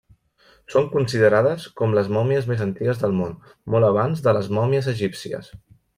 Són considerades com les mòmies més antigues del món, molt abans de les mòmies egípcies.